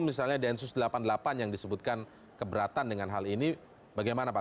misalnya densus delapan puluh delapan yang disebutkan keberatan dengan hal ini bagaimana pak